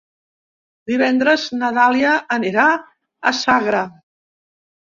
Divendres na Dàlia anirà a Sagra.